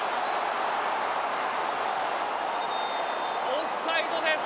オフサイドです。